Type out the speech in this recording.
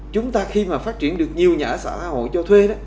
chúng ta khi mà phát triển được nhiều nhà ở xã hội cho thuê đó